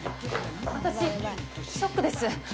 私ショックです。